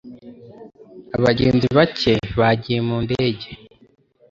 Abagenzi bake bagiye mu ndege.